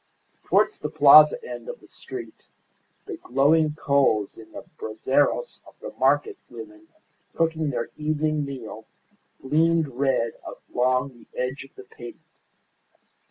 Towards the plaza end of the street the glowing coals in the brazeros of the market women cooking their evening meal gleamed red along the edge of the pavement.